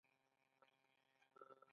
ایا زه باید ماسک وتړم؟